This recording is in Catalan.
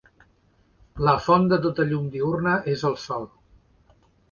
La font de tota la llum diürna és el sol.